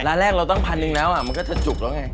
ร้านแรกเราตั้งพันหนึ่งแล้วมันก็จะจุกแล้วไง